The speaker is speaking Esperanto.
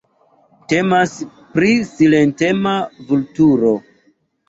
Temas pri silentema vulturo.